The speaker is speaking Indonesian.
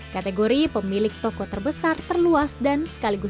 kategori pemilik toko terbesar terluas dan sekaligus